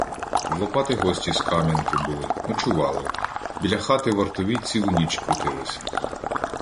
В Лопати гості з Кам'янки були, ночували, біля хати вартові цілу ніч крутилися.